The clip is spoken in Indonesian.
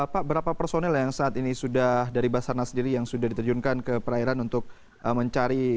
pak berapa personil yang saat ini sudah dari basarnas sendiri yang sudah diterjunkan ke perairan untuk mencari